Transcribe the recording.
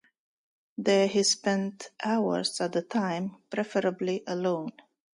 There he spent hours at the time, preferably alone.